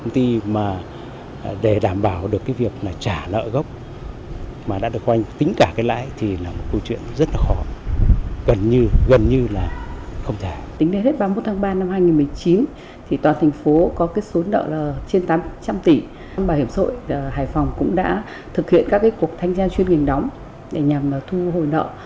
thực hiện các cuộc thanh tra chuyên nghiệp đóng để nhằm thu hồi nợ